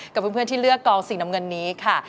กับเพื่อนที่เลือกกองสีน้ำเงินนี้ค่ะ